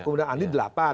kemudian andi delapan